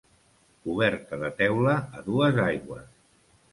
Coberta de teula a dues aigües.